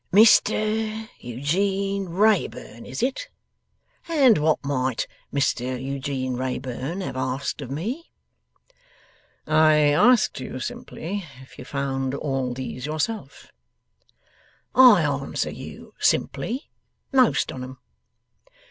'Mr Eugene Wrayburn, is it? And what might Mr Eugene Wrayburn have asked of me?' 'I asked you, simply, if you found all these yourself?' 'I answer you, simply, most on 'em.